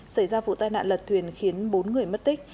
xảy ra vụ tai nạn lật thuyền khiến bốn người mất tích